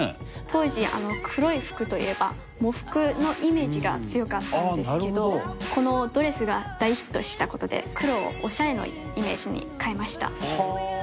当時黒い服といえば喪服のイメージが強かったんですけどこのドレスが大ヒットした事で黒をオシャレのイメージに変えました。